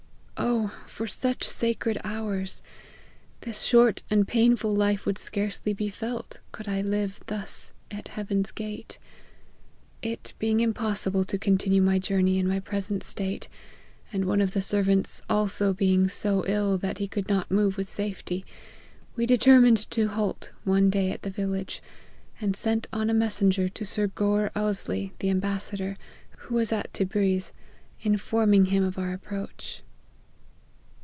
Oh ! for such sacred hours ! This short and painful life would scarcely be felt, could I live thus at heaven's gate. It being im possible to continue my journey in my present state, and one of the servants also being so ill that he could not move with safety, we determined to halt one day at the village, and sent on a messenger to Sir Gore Ousely, the ambassador, who was at Tebriz, informing him of our approach."